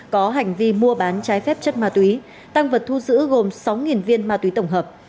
có hành vi mua bán trái phép chất ma túy tăng vật thu giữ gồm sáu viên ma túy tổng hợp